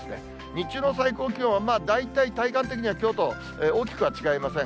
日中の最高気温は、大体体感的にはきょうと大きくは違いません。